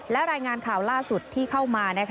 และรายงานข่าวล่าสุดที่เข้ามา